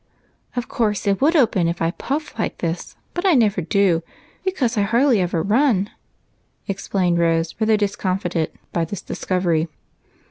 Of course it would open if I puff like this, but I never do, because I hardly ever run," explained Rose, rather discomfited by this discovery.